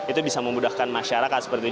itu bisa memudahkan masyarakat seperti itu